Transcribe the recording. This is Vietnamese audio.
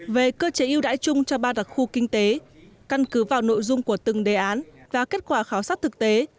về cơ chế yêu đãi chung cho ba đặc khu kinh tế căn cứ vào nội dung của từng đề án và kết quả khảo sát thực tế